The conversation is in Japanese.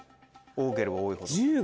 多ければ多いほど。